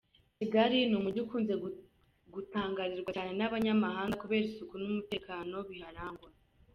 Kigali ni umujyi ukunze gutangarirwa cyane n’abanyamahanga kubera isuku n’umutekano biharangwa.